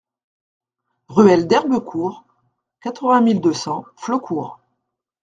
Ruelle d'Herbecourt, quatre-vingt mille deux cents Flaucourt